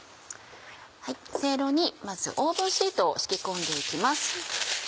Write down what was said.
セイロにまずオーブンシートを敷き込んで行きます。